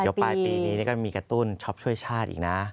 เดี๋ยวปลายปีนี้ก็มีกระตุ้นช็อปช่วยชาติอีกนะ